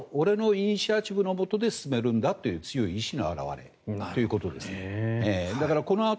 でもこれは俺のイニシアチブのもとで進めるんだという強い意思の表れということです。